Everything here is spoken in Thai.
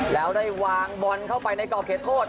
แล้วได้วางบอลเข้าไปในกรอบเขตโทษ